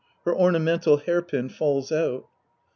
Her ornamental hair pin falls out.)